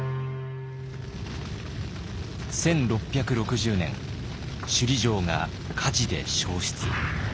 １６６０年首里城が火事で焼失。